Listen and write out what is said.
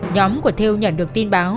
nhóm của theo nhận được tin báo